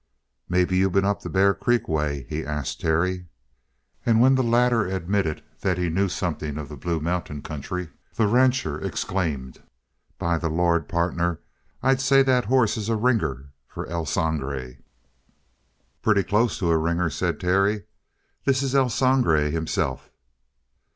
"Maybe you been up the Bear Creek way?" he asked Terry. And when the latter admitted that he knew something of the Blue Mountain country, the rancher exclaimed: "By the Lord, partner, I'd say that hoss is a ringer for El Sangre." "Pretty close to a ringer," said Terry. "This is El Sangre himself."